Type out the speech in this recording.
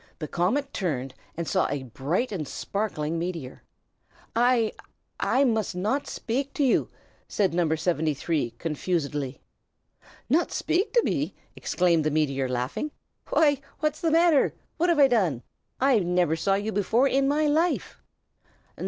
The comet turned and saw a bright and sparkling meteor. "I I must not speak to you!" said No. 73, confusedly. "Not speak to me!" exclaimed the meteor, laughing. "Why, what's the matter? What have I done? I never saw you before in my life."